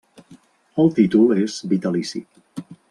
El títol és vitalici.